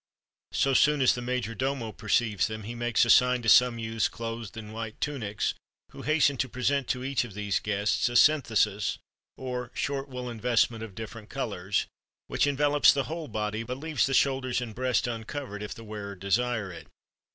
So soon as the major domo perceives them he makes a sign to some youths clothed in white tunics, who hasten to present to each of these guests a synthesis, or short woollen vestment of different colours,[XXXV 20] which envelopes the whole body, but leaves the shoulders and breast uncovered if the wearer desire it.